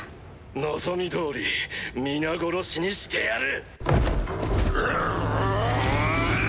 望み通り皆殺しにしてやる。